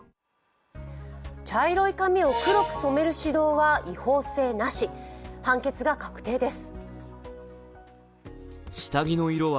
茶色い髪を黒く染める指導は違法性なし、判決が確定です。